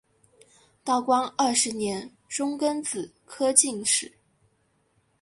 道光二十年中庚子科进士。